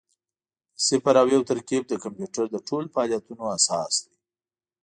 د صفر او یو ترکیب د کمپیوټر د ټولو فعالیتونو اساس دی.